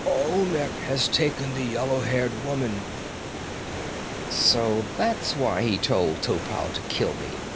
Olmec has taken the yellow haired woman!" "So that's why he told Topal to kill me!"